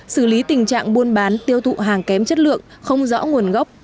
xử lý tình trạng buôn bán tiêu thụ hàng kém chất lượng không rõ nguồn gốc